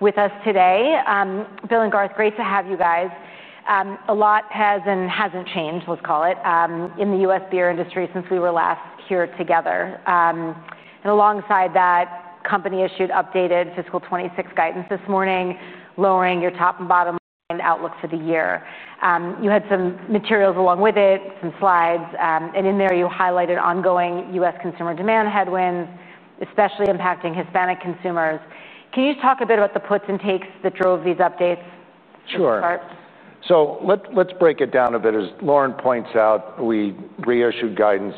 With us today, Bill and Garth, great to have you guys. A lot has and hasn't changed, let's call it, in the U.S. beer industry since we were last here together. Alongside that, the company issued updated fiscal 2026 guidance this morning, lowering your top and bottom line outlook for the year. You had some materials along with it, some slides, and in there you highlighted ongoing U.S. consumer demand headwinds, especially impacting Hispanic consumers. Can you talk a bit about the puts and takes that drove these updates? Sure. Let's break it down a bit. As Lauren points out, we reissued guidance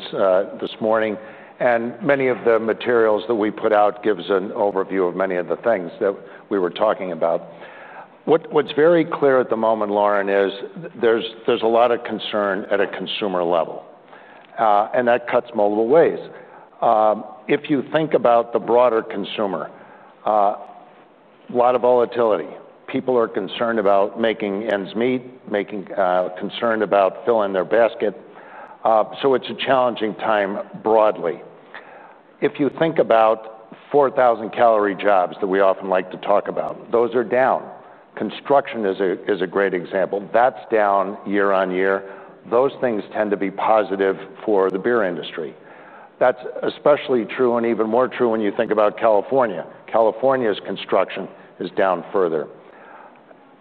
this morning, and many of the materials that we put out give an overview of many of the things that we were talking about. What's very clear at the moment, Lauren, is there's a lot of concern at a consumer level, and that cuts multiple ways. If you think about the broader consumer, a lot of volatility. People are concerned about making ends meet, making concern about filling their basket. It's a challenging time broadly. If you think about 4,000 calorie jobs that we often like to talk about, those are down. Construction is a great example. That's down year on year. Those things tend to be positive for the beer industry. That's especially true and even more true when you think about California. California's construction is down further.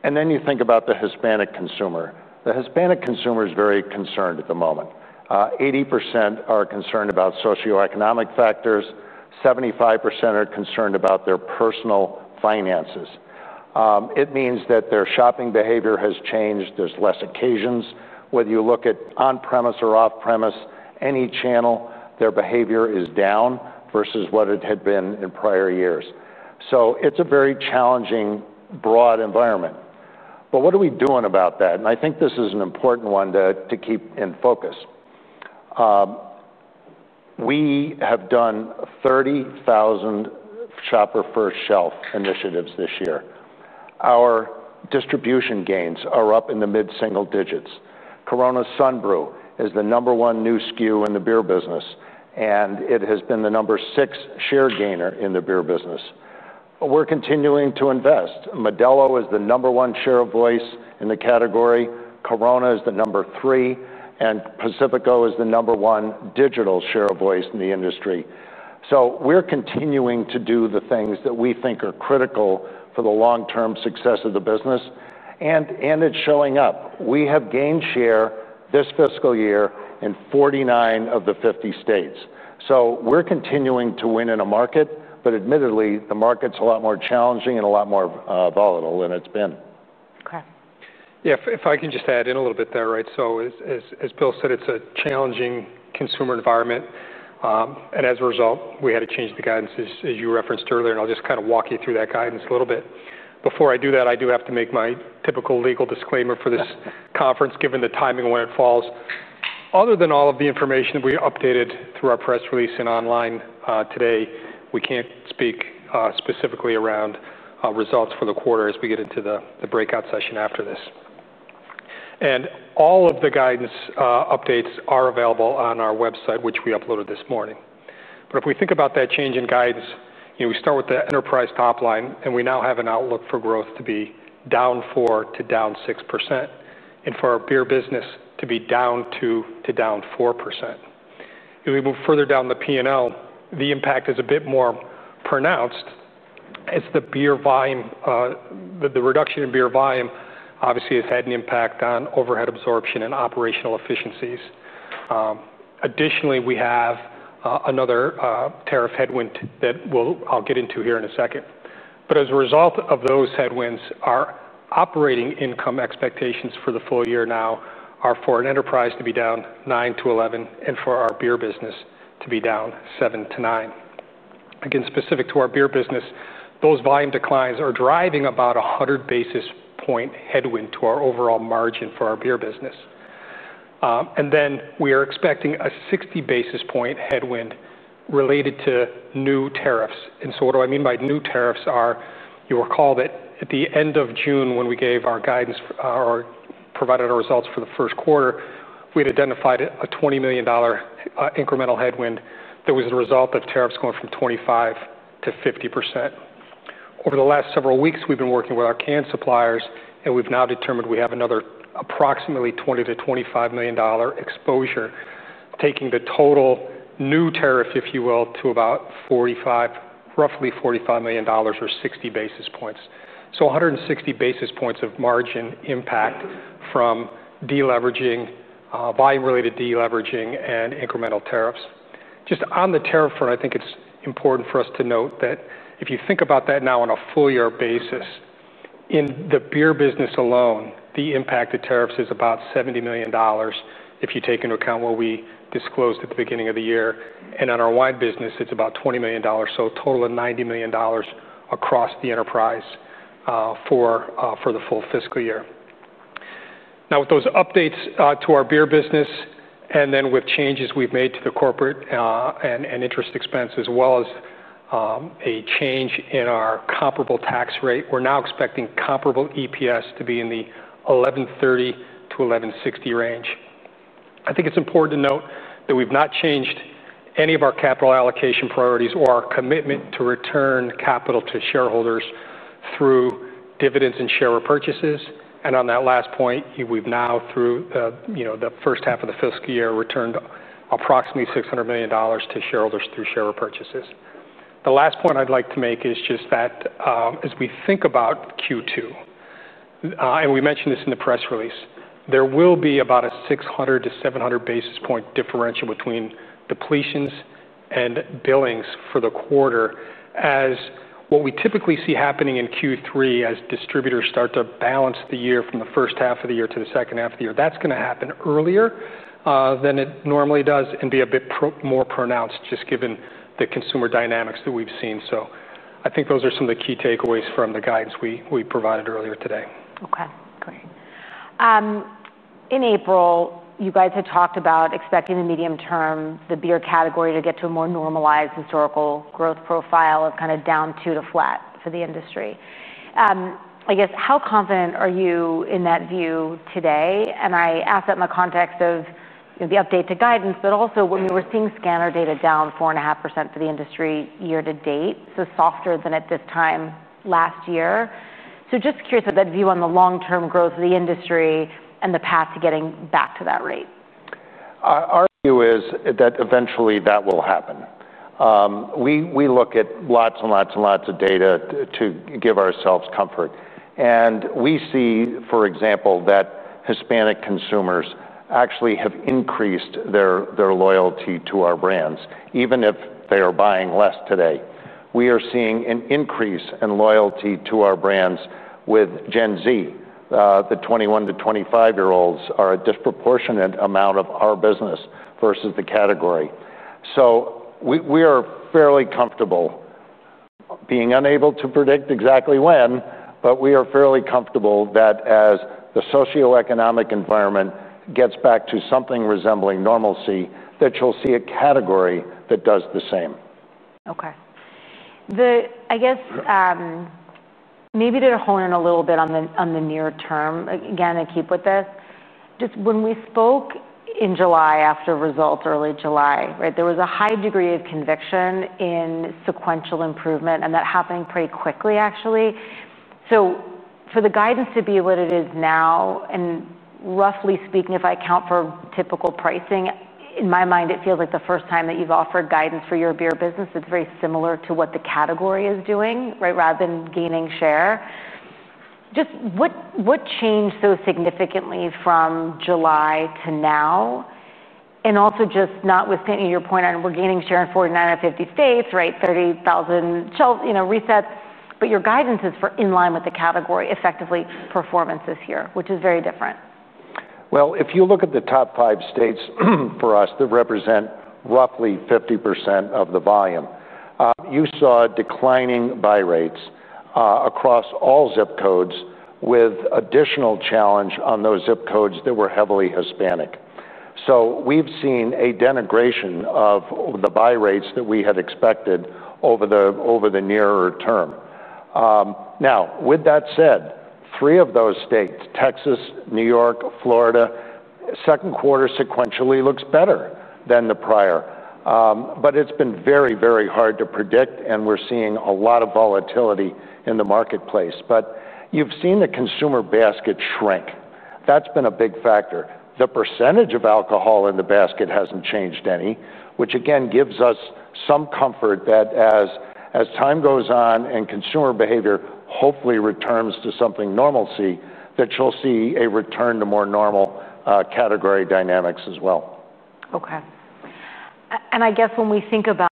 You think about the Hispanic consumer. The Hispanic consumer is very concerned at the moment. 80% are concerned about socioeconomic factors. 75% are concerned about their personal finances. It means that their shopping behavior has changed. There's less occasions. Whether you look at on-premise or off-premise, any channel, their behavior is down versus what it had been in prior years. It's a very challenging, broad environment. What are we doing about that? I think this is an important one to keep in focus. We have done 30,000 shopper first shelf initiatives this year. Our distribution gains are up in the mid-single digits. Corona Sunbrew is the number one new SKU in the beer business, and it has been the number six share gainer in the beer business. We're continuing to invest. Modelo is the number one share of voice in the category. Corona is the number three, and Pacifico is the number one digital share of voice in the industry. We're continuing to do the things that we think are critical for the long-term success of the business, and it's showing up. We have gained share this fiscal year in 49 of the 50 states. We're continuing to win in a market, but admittedly, the market's a lot more challenging and a lot more volatile than it's been. Okay. If I can just add in a little bit there, right? As Bill said, it's a challenging consumer environment. As a result, we had to change the guidance, as you referenced earlier, and I'll just kind of walk you through that guidance a little bit. Before I do that, I do have to make my typical legal disclaimer for this conference, given the timing of when it falls. Other than all of the information that we updated through our press release and online today, we can't speak specifically around results for the quarter as we get into the breakout session after this. All of the guidance updates are available on our website, which we uploaded this morning. If we think about that change in guidance, we start with the enterprise top line, and we now have an outlook for growth to be down 4% to down 6%, and for our beer business to be down 2% to down 4%. If we move further down the P&L, the impact is a bit more pronounced. It's the beer volume. The reduction in beer volume obviously has had an impact on overhead absorption and operational efficiencies. Additionally, we have another tariff headwind that I'll get into here in a second. As a result of those headwinds, our operating income expectations for the full year now are for enterprise to be down 9% - 11% and for our beer business to be down 7% - 9%. Again, specific to our beer business, those volume declines are driving about a 100 basis point headwind to our overall margin for our beer business. We are expecting a 60 basis point headwind related to new tariffs. What do I mean by new tariffs? You'll recall that at the end of June, when we gave our guidance or provided our results for the first quarter, we had identified a $20 million incremental headwind that was a result of tariffs going from 25% to 50%. Over the last several weeks, we've been working with our can suppliers, and we've now determined we have another approximately $20 million - $25 million exposure, taking the total new tariff, if you will, to about $45 million or 60 basis points. So 160 basis points of margin impact from deleveraging, volume-related deleveraging, and incremental tariffs. Just on the tariff front, I think it's important for us to note that if you think about that now on a full-year basis, in the beer business alone, the impact of tariffs is about $70 million if you take into account what we disclosed at the beginning of the year. On our wine business, it's about $20 million. A total of $90 million across the enterprise for the full fiscal year. With those updates to our beer business and with changes we've made to the corporate and interest expense, as well as a change in our comparable tax rate, we're now expecting comparable EPS to be in the $1,130 to $1,160 range. I think it's important to note that we've not changed any of our capital allocation priorities or our commitment to return capital to shareholders through dividends and share repurchases. On that last point, we've now, through the first half of the fiscal year, returned approximately $600 million to shareholders through share repurchases. The last point I'd like to make is just that as we think about Q2, and we mentioned this in the press release, there will be about a 600 - 700 basis point differential between depletions and billings for the quarter as what we typically see happening in Q3 as distributors start to balance the year from the first half of the year to the second half of the year. That is going to happen earlier than it normally does and be a bit more pronounced just given the consumer dynamics that we've seen. I think those are some of the key takeaways from the guidance we provided earlier today. Okay, great. In April, you guys had talked about expecting the medium-term the beer category to get to a more normalized historical growth profile of kind of down 2% to flat for the industry. How confident are you in that view today? I ask that in the context of the updated guidance, but also when we were seeing scanner data down 4.5% for the industry year to date, which is softer than at this time last year. I am just curious about that view on the long-term growth of the industry and the path to getting back to that rate. Our view is that eventually that will happen. We look at lots and lots and lots of data to give ourselves comfort, and we see, for example, that Hispanic consumers actually have increased their loyalty to our brands, even if they are buying less today. We are seeing an increase in loyalty to our brands with Gen Z. The 21 to 25-year-olds are a disproportionate amount of our business versus the category. We are fairly comfortable being unable to predict exactly when, but we are fairly comfortable that as the socioeconomic environment gets back to something resembling normalcy, you'll see a category that does the same. Okay. I guess maybe to hone in a little bit on the near term, I keep with this. Just when we spoke in July after results, early July, right, there was a high degree of conviction in sequential improvement, and that happening pretty quickly, actually. For the guidance to be what it is now, and roughly speaking, if I account for typical pricing, in my mind, it feels like the first time that you've offered guidance for your beer business. It's very similar to what the category is doing, right, rather than gaining share. What changed so significantly from July to now? Also, notwithstanding your point on we're gaining share in 49 of 50 states, 30,000 resets, but your guidance is for in line with the category, effectively performance this year, which is very different. If you look at the top five states for us that represent roughly 50% of the volume, you saw declining buy rates across all zip codes with additional challenge on those zip codes that were heavily Hispanic. We've seen a denigration of the buy rates that we had expected over the nearer term. With that said, three of those states, Texas, New York, Florida, second quarter sequentially looks better than the prior. It's been very, very hard to predict, and we're seeing a lot of volatility in the marketplace. You've seen the consumer basket shrink. That's been a big factor. The percentage of alcohol in the basket hasn't changed any, which again gives us some comfort that as time goes on and consumer behavior hopefully returns to something normalcy, you'll see a return to more normal category dynamics as well. Okay. I guess when we think about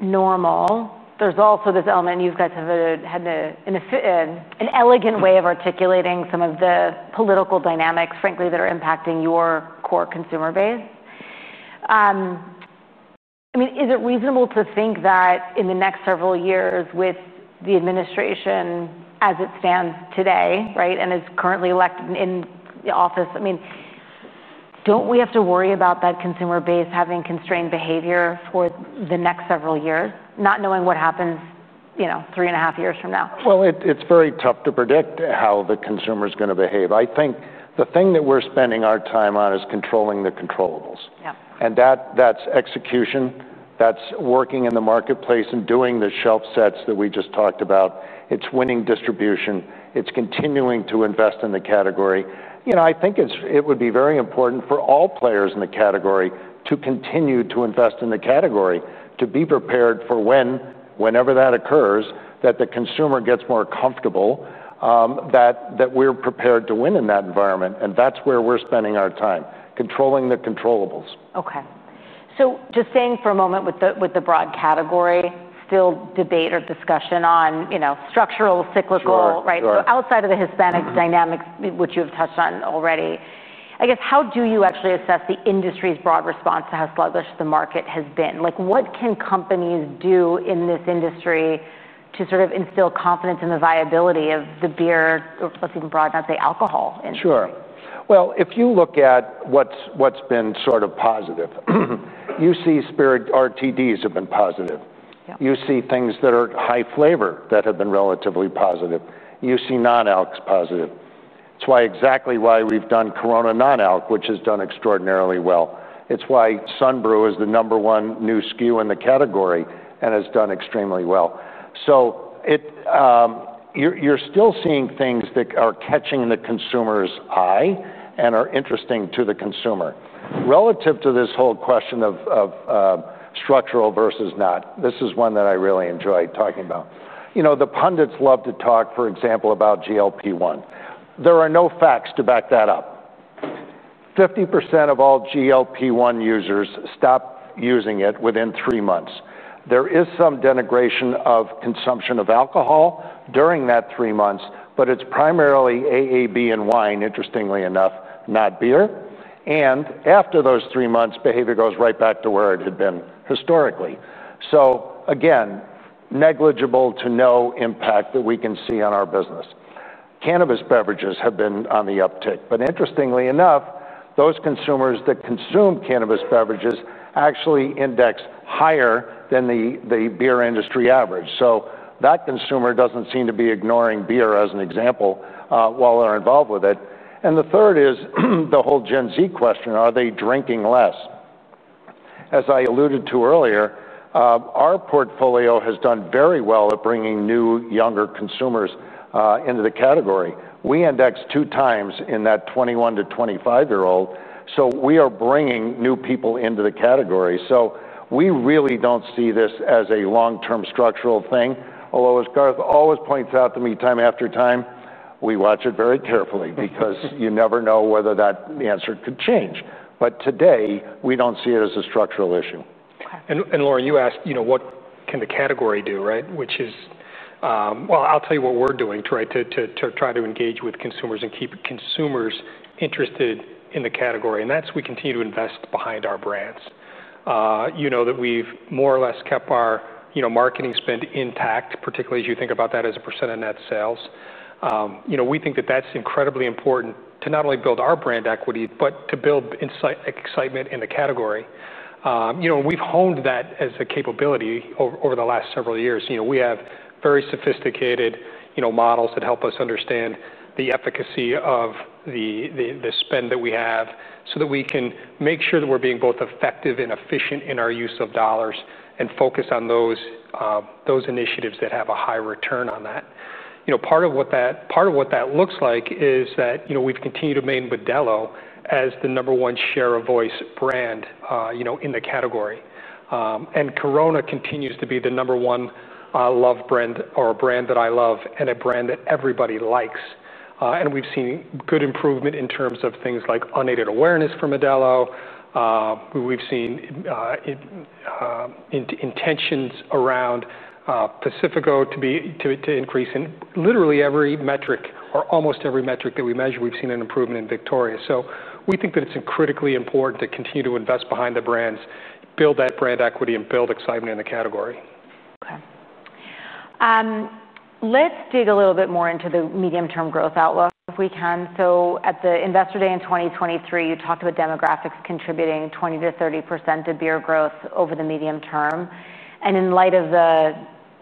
normal, there's also this element you guys have had an elegant way of articulating some of the political dynamics, frankly, that are impacting your core consumer base. I mean, is it reasonable to think that in the next several years with the administration as it stands today, right, and is currently elected in the office? I mean, don't we have to worry about that consumer base having constrained behavior for the next several years, not knowing what happens, you know, three and a half years from now? It is very tough to predict how the consumer is going to behave. I think the thing that we're spending our time on is controlling the controllables. That's execution. That's working in the marketplace and doing the shelf sets that we just talked about. It's winning distribution. It's continuing to invest in the category. I think it would be very important for all players in the category to continue to invest in the category, to be prepared for whenever that occurs, that the consumer gets more comfortable, that we're prepared to win in that environment. That's where we're spending our time, controlling the controllables. Okay. Just staying for a moment with the broad category, still debate or discussion on, you know, structural, cyclical, right? Outside of the Hispanic dynamics, which you have touched on already, I guess how do you actually assess the industry's broad response to how sluggish the market has been? What can companies do in this industry to sort of instill confidence in the viability of the beer, let's even broadly not say alcohol? If you look at what's been sort of positive, you see spirit- RTDs have been positive. You see things that are high flavor that have been relatively positive. You see non-alc positive. It's exactly why we've done Corona non-alc, which has done extraordinarily well. It's why Sunbrew is the number one new SKU in the category and has done extremely well. You're still seeing things that are catching the consumer's eye and are interesting to the consumer. Relative to this whole question of structural versus not, this is one that I really enjoy talking about. The pundits love to talk, for example, about GLP-1. There are no facts to back that up. 50% of all GLP-1 users stop using it within three months. There is some denigration of consumption of alcohol during that three months, but it's primarily AAB and wine, interestingly enough, not beer. After those three months, behavior goes right back to where it had been historically. Again, negligible to no impact that we can see on our business. Cannabis beverages have been on the uptick. Interestingly enough, those consumers that consume cannabis beverages actually index higher than the beer industry average. That consumer doesn't seem to be ignoring beer as an example while they're involved with it. The third is the whole Gen Z question. Are they drinking less? As I alluded to earlier, our portfolio has done very well at bringing new, younger consumers into the category. We index two times in that 21 to 25-year-old. We are bringing new people into the category. We really don't see this as a long-term structural thing. Although, as Garth always points out to me time after time, we watch it very carefully because you never know whether that answer could change. Today, we don't see it as a structural issue. Lauren, you asked, you know, what can the category do, right? I'll tell you what we're doing to try to engage with consumers and keep consumers interested in the category. We continue to invest behind our brands. You know that we've more or less kept our, you know, marketing spend intact, particularly as you think about that as a percent of net sales. We think that that's incredibly important to not only build our brand equity, but to build excitement in the category. We've honed that as a capability over the last several years. We have very sophisticated models that help us understand the efficacy of the spend that we have so that we can make sure that we're being both effective and efficient in our use of dollars and focus on those initiatives that have a high return on that. Part of what that looks like is that we've continued to remain with Modelo as the number one share of voice brand in the category. Corona continues to be the number one loved brand or brand that I love and a brand that everybody likes. We've seen good improvement in terms of things like unaided awareness from Modelo. We've seen intentions around Pacifico to increase in literally every metric or almost every metric that we measure. We've seen an improvement in Victoria. We think that it's critically important to continue to invest behind the brands, build that brand equity, and build excitement in the category. Okay. Let's dig a little bit more into the medium-term growth outlook if we can. At the Investor Day in 2023, you talked about demographics contributing 20% - 30% to beer growth over the medium term. In light of the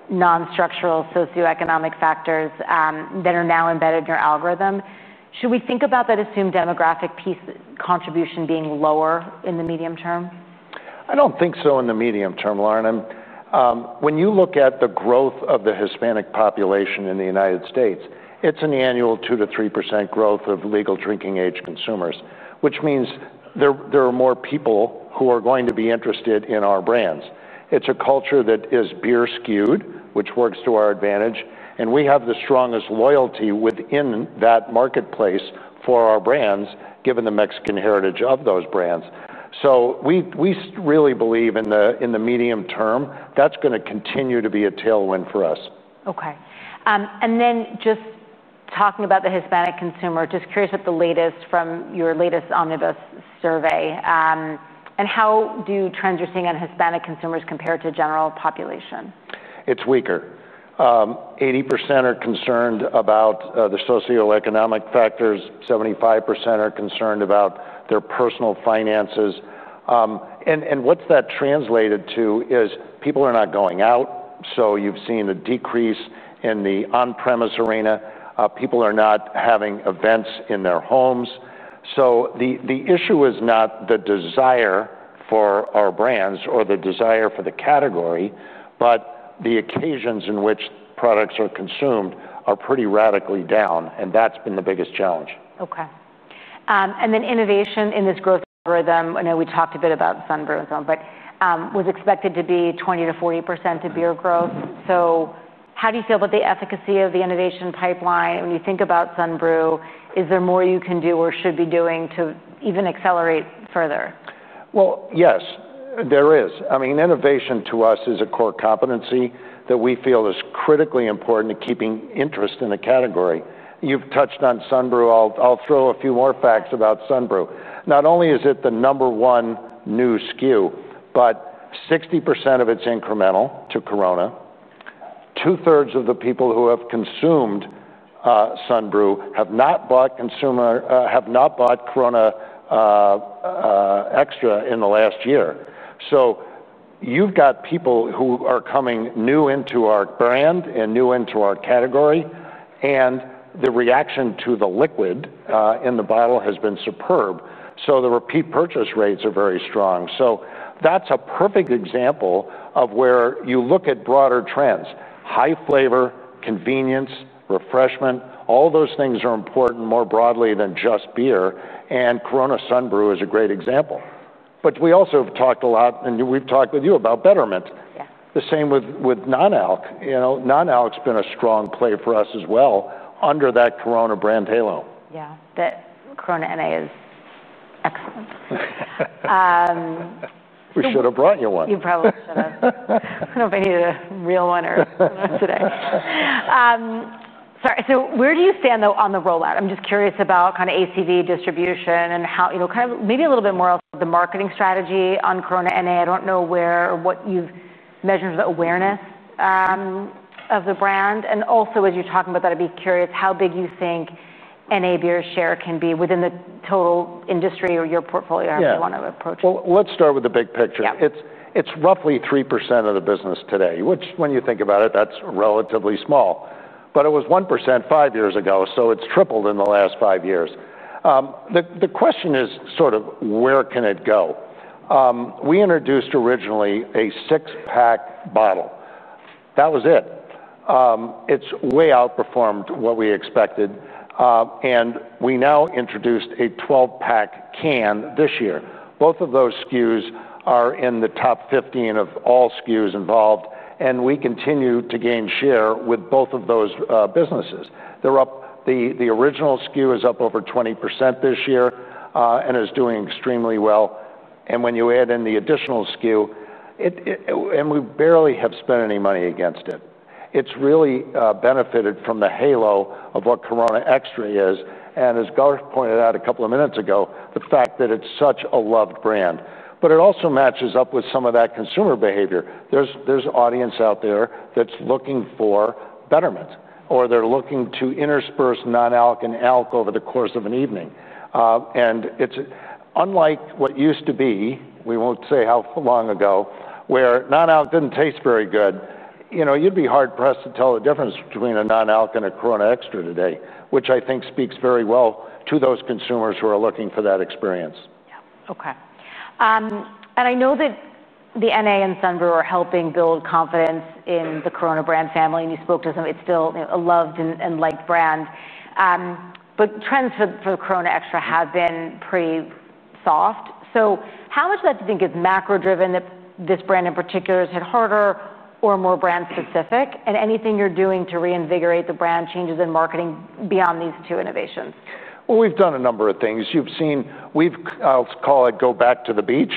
non-structural socioeconomic factors that are now embedded in your algorithm, should we think about that assumed demographic piece contribution being lower in the medium term? I don't think so in the medium term, Lauren. When you look at the growth of the Hispanic population in the United States, it's an annual 2% - 3% growth of legal drinking age consumers, which means there are more people who are going to be interested in our brands. It's a culture that is beer skewed, which works to our advantage. We have the strongest loyalty within that marketplace for our brands, given the Mexican heritage of those brands. We really believe in the medium term that's going to continue to be a tailwind for us. Okay. Just talking about the Hispanic consumer, just curious what the latest from your latest Omnibus survey is, and how do trends you're seeing on Hispanic consumers compare to the general population? It's weaker. 80% are concerned about the socioeconomic factors. 75% are concerned about their personal finances. What that's translated to is people are not going out. You've seen a decrease in the on-premise arena. People are not having events in their homes. The issue is not the desire for our brands or the desire for the category, but the occasions in which products are consumed are pretty radically down. That's been the biggest challenge. Okay. Innovation in this growth algorithm, I know we talked a bit about Sunbrew, was expected to be 20% - 40% to beer growth. How do you feel about the efficacy of the innovation pipeline when you think about Sunbrew? Is there more you can do or should be doing to even accelerate further? Innovation to us is a core competency that we feel is critically important to keeping interest in the category. You've touched on Sunbrew. I'll throw a few more facts about Sunbrew. Not only is it the number one new SKU, but 60% of it's incremental to Corona. 2/3 of the people who have consumed Sunbrew have not bought Corona Extra in the last year. You've got people who are coming new into our brand and new into our category. The reaction to the liquid in the bottle has been superb. The repeat purchase rates are very strong. That's a perfect example of where you look at broader trends. High flavor, convenience, refreshment, all those things are important more broadly than just beer. Corona Sunbrew is a great example. We also have talked a lot, and we've talked with you about betterments. The same with non-alc. Non-alc has been a strong play for us as well under that Corona brand halo. Yeah, that Corona NA is excellent. We should have brought you one. You probably should have. I don't know if I need a real one today. Where do you stand though on the rollout? I'm just curious about kind of ACV distribution and how, you know, maybe a little bit more of the marketing strategy on Corona NA. I don't know where or what you've measured the awareness of the brand. Also, as you're talking about that, I'd be curious how big you think NA Beer's share can be within the total industry or your portfolio as you want to approach it. Let's start with the big picture. It's roughly 3% of the business today, which when you think about it, that's relatively small. It was 1% five years ago, so it's tripled in the last five years. The question is sort of where can it go? We introduced originally a six-pack bottle. That was it. It's way outperformed what we expected. We now introduced a 12-pack can this year. Both of those SKUs are in the top 15 of all SKUs involved, and we continue to gain share with both of those businesses. The original SKU is up over 20% this year and is doing extremely well. When you add in the additional SKU, we barely have spent any money against it. It's really benefited from the halo of what Corona Extra is. As Garth pointed out a couple of minutes ago, the fact that it's such a loved brand. It also matches up with some of that consumer behavior. There's audience out there that's looking for betterments, or they're looking to intersperse non-alc and alc over the course of an evening. It's unlike what used to be, we won't say how long ago, where non-alc didn't taste very good. You'd be hard-pressed to tell the difference between a non-alc and a Corona Extra today, which I think speaks very well to those consumers who are looking for that experience. Okay. I know that the NA and Sunbrew are helping build confidence in the Corona brand family. You spoke to them. It's still a loved and liked brand, but trends for the Corona Extra have been pretty soft. How much of that do you think is macro-driven, that this brand in particular has hit harder, or more brand-specific? Is there anything you're doing to reinvigorate the brand, changes in marketing beyond these two innovations? We have done a number of things. You have seen, I will call it, go back to the beach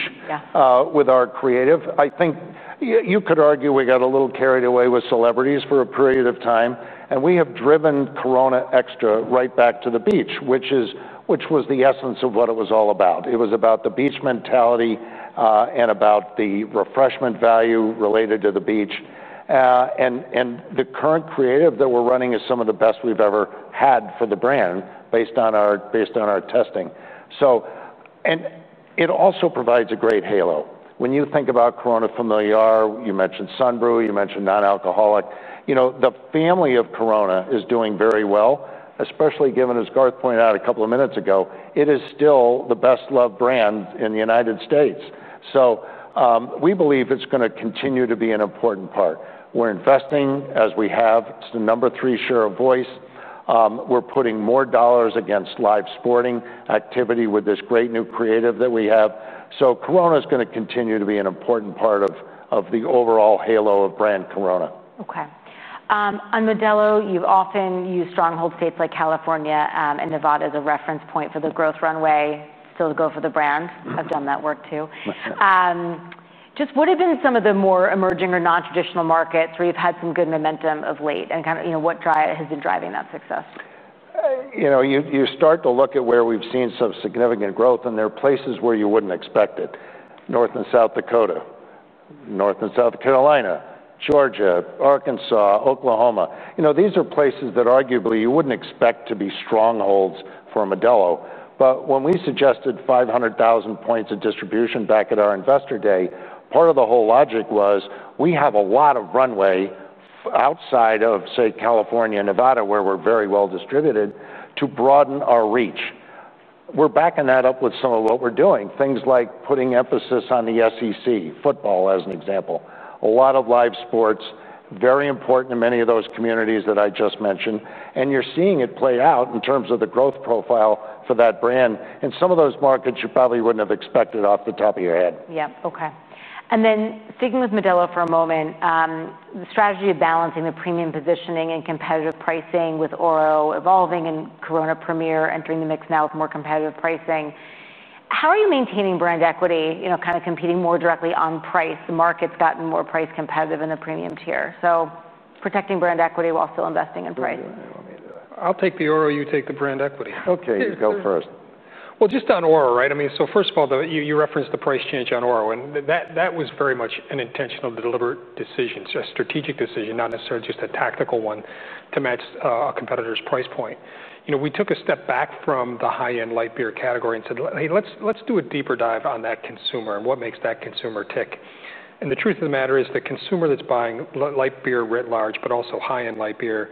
with our creative. I think you could argue we got a little carried away with celebrities for a period of time. We have driven Corona Extra right back to the beach, which was the essence of what it was all about. It was about the beach mentality and about the refreshment value related to the beach. The current creative that we are running is some of the best we have ever had for the brand based on our testing. It also provides a great halo. When you think about Corona Familiar, you mentioned Sunbrew, you mentioned non-alcoholic. The family of Corona is doing very well, especially given, as Garth pointed out a couple of minutes ago, it is still the best loved brand in the United States. We believe it is going to continue to be an important part. We are investing, as we have, it is the number three share of voice. We are putting more dollars against live sporting activity with this great new creative that we have. Corona is going to continue to be an important part of the overall halo of brand Corona. Okay. On Modelo, you've often used stronghold states like California and Nevada as a reference point for the growth runway still to go for the brand. I've done that work too. Just what have been some of the more emerging or non-traditional markets where you've had some good momentum of late, and what has been driving that success? You know, you start to look at where we've seen some significant growth, and there are places where you wouldn't expect it. North and South Dakota, North and South Carolina, Georgia, Arkansas, Oklahoma. These are places that arguably you wouldn't expect to be strongholds for Modelo. When we suggested 500,000 points of distribution back at our Investor Day, part of the whole logic was we have a lot of runway outside of, say, California and Nevada, where we're very well distributed, to broaden our reach. We're backing that up with some of what we're doing, things like putting emphasis on the SEC, football as an example. A lot of live sports, very important in many of those communities that I just mentioned. You're seeing it play out in terms of the growth profile for that brand in some of those markets you probably wouldn't have expected off the top of your head. Okay. Sticking with Modelo for a moment, the strategy of balancing the premium positioning and competitive pricing with Oro evolving and Corona Premier entering the mix now with more competitive pricing. How are you maintaining brand equity, you know, kind of competing more directly on price? The market's gotten more price competitive in the premium tier. Protecting brand equity while still investing in price. I'll take the Oro, you take the brand equity. Okay, you go first. Just on Oro, right? First of all, you referenced the price change on Oro, and that was very much an intentional, deliberate decision, a strategic decision, not necessarily just a tactical one to match a competitor's price point. You know, we took a step back from the high-end light beer category and said, "Hey, let's do a deeper dive on that consumer and what makes that consumer tick." The truth of the matter is the consumer that's buying light beer writ large, but also high-end light beer,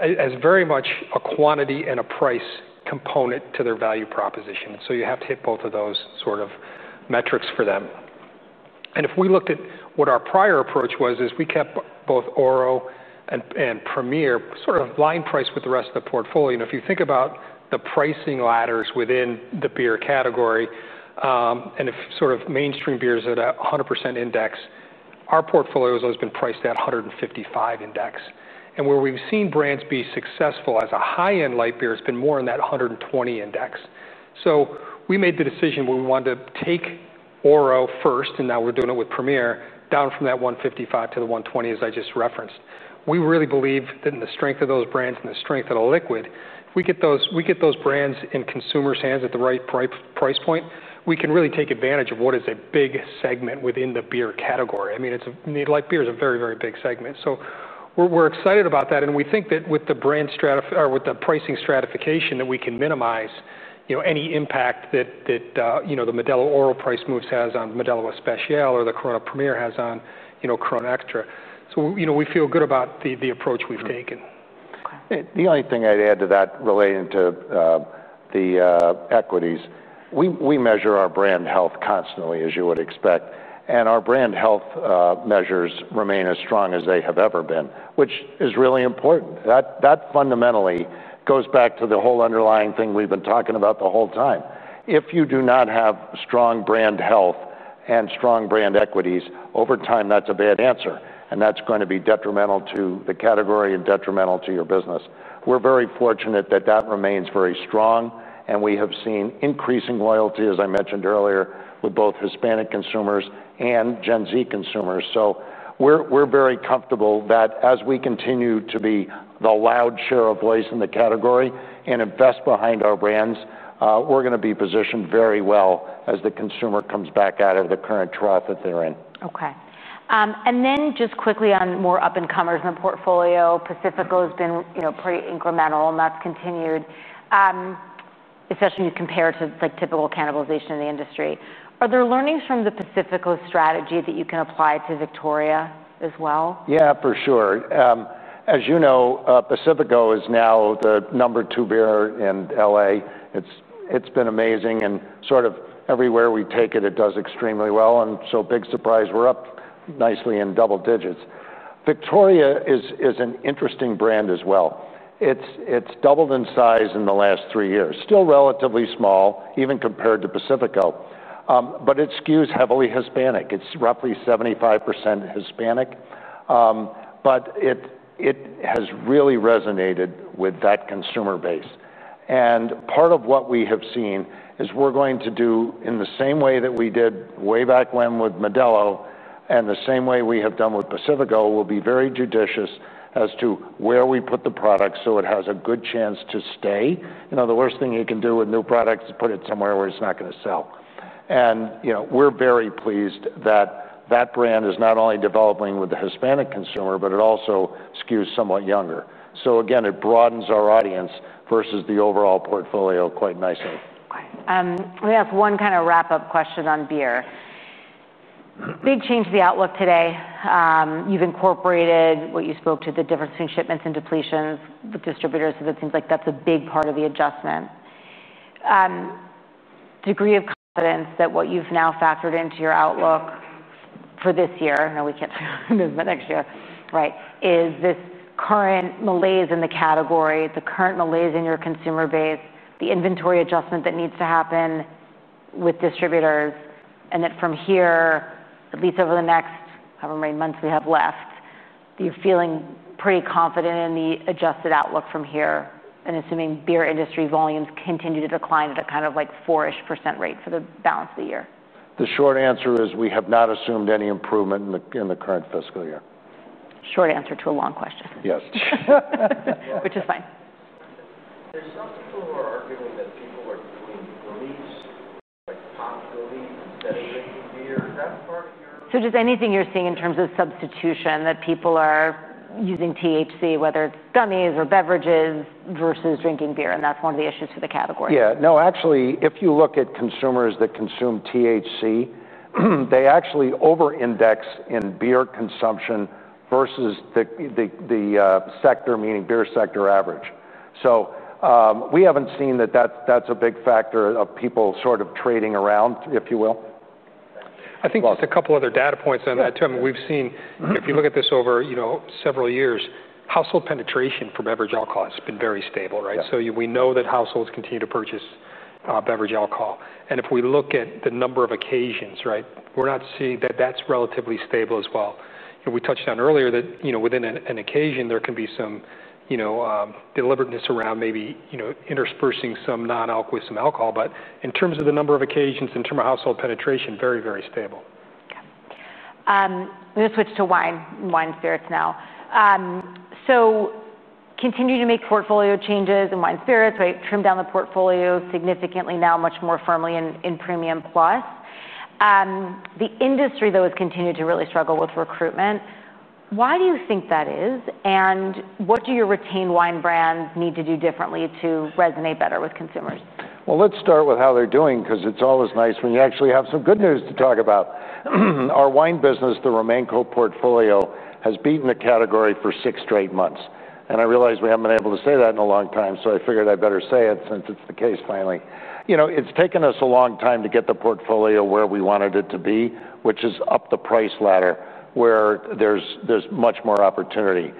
has very much a quantity and a price component to their value proposition. You have to hit both of those sort of metrics for them. If we looked at what our prior approach was, we kept both Oro and Premier sort of line price with the rest of the portfolio. If you think about the pricing ladders within the beer category, and if sort of mainstream beer is at a 100% index, our portfolio has always been priced at 155% index. Where we've seen brands be successful as a high-end light beer has been more in that 120% index. We made the decision where we wanted to take Oro first, and now we're doing it with Premier, down from that 155% to the 120%, as I just referenced. We really believe that in the strength of those brands and the strength of the liquid, if we get those brands in consumers' hands at the right price point, we can really take advantage of what is a big segment within the beer category. I mean, light beer is a very, very big segment. We're excited about that. We think that with the brand stratification, or with the pricing stratification, we can minimize any impact that the Modelo Oro price moves have on Modelo Especial or the Corona Premier has on Corona Extra. We feel good about the approach we've taken. Okay. The only thing I'd add to that relating to the equities, we measure our brand health constantly, as you would expect. Our brand health measures remain as strong as they have ever been, which is really important. That fundamentally goes back to the whole underlying thing we've been talking about the whole time. If you do not have strong brand health and strong brand equities, over time, that's a bad answer. That's going to be detrimental to the category and detrimental to your business. We're very fortunate that that remains very strong. We have seen increasing loyalty, as I mentioned earlier, with both Hispanic consumers and Gen Z consumers. We're very comfortable that as we continue to be the loud share of voice in the category and invest behind our brands, we're going to be positioned very well as the consumer comes back out of the current trough that they're in. Okay. Just quickly on more up-and-comers in the portfolio, Pacifico has been pretty incremental, and that's continued, especially when you compare to typical cannibalization in the industry. Are there learnings from the Pacifico strategy that you can apply to Victoria as well? Yeah, for sure. As you know, Pacifico is now the number two beer in LA. It's been amazing, and sort of everywhere we take it, it does extremely well. Big surprise, we're up nicely in double digits. Victoria is an interesting brand as well. It's doubled in size in the last three years. Still relatively small, even compared to Pacifico, but it skews heavily Hispanic. It's roughly 75% Hispanic, but it has really resonated with that consumer base. Part of what we have seen is we're going to do in the same way that we did way back when with Modelo, and the same way we have done with Pacifico, will be very judicious as to where we put the product so it has a good chance to stay. You know, the worst thing you can do with new products is put it somewhere where it's not going to sell. We're very pleased that that brand is not only developing with the Hispanic consumer, but it also skews somewhat younger. Again, it broadens our audience versus the overall portfolio quite nicely. We have one kind of wrap-up question on beer. Big change to the outlook today. You've incorporated what you spoke to, the difference between shipments and depletions, the distributors, so that seems like that's a big part of the adjustment. Degree of confidence that what you've now factored into your outlook for this year, I know we can't say that next year, right, is this current malaise in the category, the current malaise in your consumer base, the inventory adjustment that needs to happen with distributors, and that from here, at least over the next, I don't know, how many months we have left, that you're feeling pretty confident in the adjusted outlook from here and assuming beer industry volumes continue to decline at a kind of like 4% rate for the balance of the year. The short answer is we have not assumed any improvement in the current fiscal year. Short answer to a long question. Yes. Which is fine. There's also our feelings that people are doing gummies, but possibly even stimulating beer. Does anything you're seeing in terms of substitution, that people are using THC, whether it's gummies or beverages, versus drinking beer, and that's one of the issues for the category? Yeah, no, actually, if you look at consumers that consume THC, they actually over-index in beer consumption versus the sector, meaning beer sector average. We haven't seen that that's a big factor of people sort of trading around, if you will. I think just a couple other data points on that too. I mean, we've seen, if you look at this over several years, household penetration for beverage alcohol has been very stable, right? We know that households continue to purchase beverage alcohol. If we look at the number of occasions, we're not seeing that that's relatively stable as well. We touched on earlier that within an occasion, there can be some deliberateness around maybe interspersing some non-alc with some alcohol. In terms of the number of occasions, in terms of household penetration, very, very stable. Okay. I'm going to switch to wine spirits now. Continuing to make portfolio changes in wine spirits, right, trimmed down the portfolio significantly now, much more firmly in premium plus. The industry, though, has continued to really struggle with recruitment. Why do you think that is? What do your retained wine brands need to do differently to resonate better with consumers? Let's start with how they're doing, because it's always nice when you actually have some good news to talk about. Our wine business, the Ruffino portfolio, has beaten the category for six straight months. I realize we haven't been able to say that in a long time, so I figured I'd better say it since it's the case finally. It's taken us a long time to get the portfolio where we wanted it to be, which is up the price ladder, where there's much more opportunity.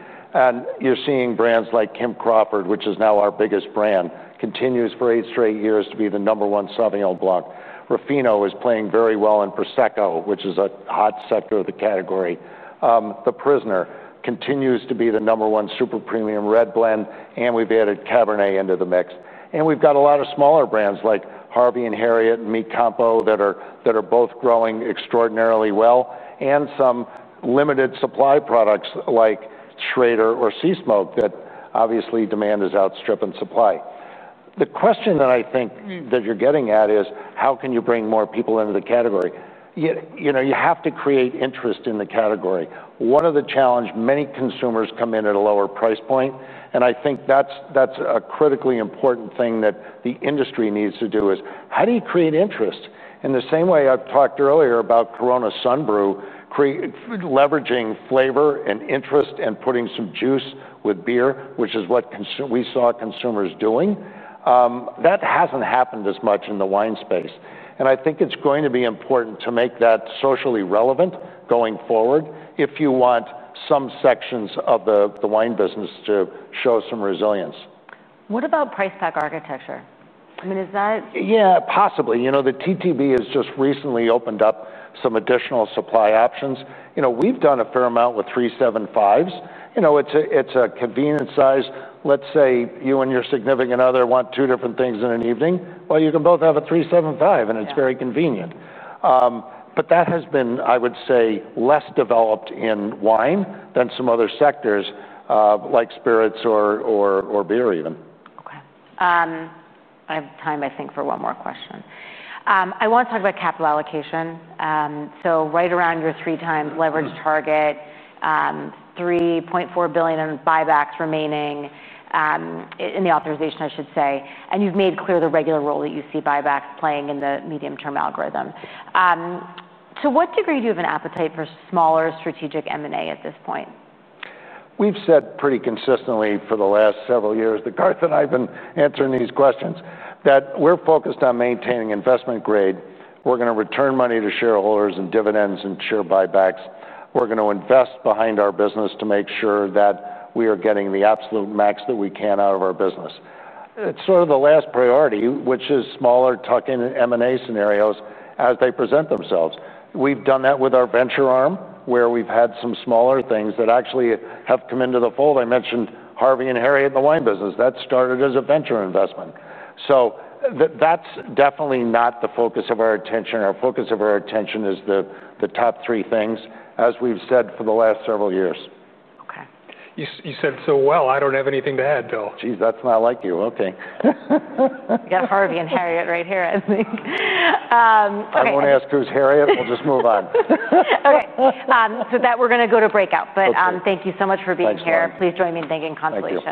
You're seeing brands like Kim Crawford, which is now our biggest brand, continues for eight straight years to be the number one Sauvignon Blanc. Ruffino is playing very well in Prosecco, which is a hot sector of the category. The Prisoner continues to be the number one super premium red blend, and we've added Cabernet into the mix. We've got a lot of smaller brands like Harvey & Harriet and Mi Campo that are both growing extraordinarily well, and some limited supply products like Schrader or Sea Smoke that obviously demand is outstripping supply. The question that I think that you're getting at is how can you bring more people into the category? You have to create interest in the category. One of the challenges, many consumers come in at a lower price point, and I think that's a critically important thing that the industry needs to do is how do you create interest? In the same way I talked earlier about Corona Sunbrew, leveraging flavor and interest and putting some juice with beer, which is what we saw consumers doing. That hasn't happened as much in the wine space. I think it's going to be important to make that socially relevant going forward if you want some sections of the wine business to show some resilience. What about price tag architecture? Is that? Yeah, possibly. You know, the TTB has just recently opened up some additional supply options. We've done a fair amount with 375 mls. It's a convenient size. Let's say you and your significant other want two different things in an evening. You can both have a 375 ml, and it's very convenient. That has been, I would say, less developed in wine than some other sectors like spirits or beer even. Okay. I have time, I think, for one more question. I want to talk about capital allocation. You are right around your three-time leverage target, $3.4 billion in buybacks remaining in the authorization, I should say. You've made clear the regular role that you see buybacks playing in the medium-term algorithm. To what degree do you have an appetite for smaller strategic M&A at this point? We've said pretty consistently for the last several years that Garth and I have been answering these questions, that we're focused on maintaining investment-grade. We're going to return money to shareholders in dividends and share buybacks. We're going to invest behind our business to make sure that we are getting the absolute max that we can out of our business. It's sort of the last priority, which is smaller tuck-in M&A scenarios as they present themselves. We've done that with our venture arm, where we've had some smaller things that actually have come into the fold. I mentioned Harvey & Harriet in the wine business. That started as a venture investment. That's definitely not the focus of our attention. Our focus of our attention is the top three things, as we've said for the last several years. Okay. You said so well. I don't have anything to add, Bill. Geez, that's why I like you. Okay. You got Harvey & Harriet right here, I think. I don't want to ask who's Harriet. We'll just move on. Okay, we're going to go to breakout. Thank you so much for being here. Please join me in thanking Constellation Brands.